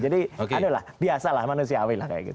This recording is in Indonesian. jadi aduh lah biasa lah manusiawi lah kayak gitu